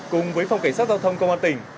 cùng với phòng cảnh sát giao thông công an tỉnh